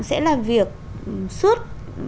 sẽ làm việc suốt